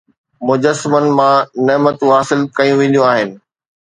مجسمن مان نعمتون حاصل ڪيون وينديون آهن